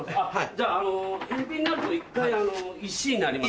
じゃあ返品になると一回石になります。